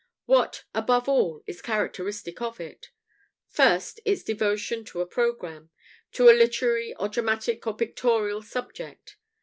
What, above all, is characteristic of it? First, its devotion to a "programme" to a literary or dramatic or pictorial subject.